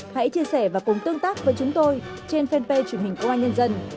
hãy chia sẻ và cùng tương tác với chúng tôi trên fanpage truyền hình công an nhân dân